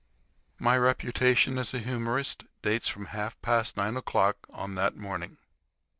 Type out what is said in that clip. My reputation as a humorist dates from half past nine o'clock on that morning.